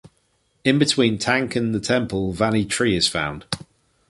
In between tank and the temple Vanni tree is found.